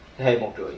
thế hệ một năm